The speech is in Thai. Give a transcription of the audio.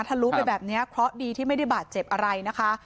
ลุไปแบบนี้เพราะดีที่ไม่ได้บาดเจ็บอะไรนะคะ